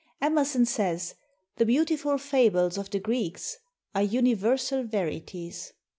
Emerson says, "The beautiful fables of the Greeks ... are universal verities."